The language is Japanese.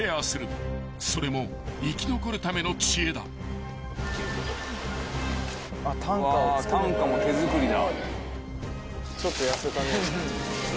［それも生き残るための知恵だ］わ担架も手作りだ。